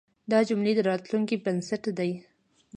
دا جملې د راتلونکي بنسټ دی.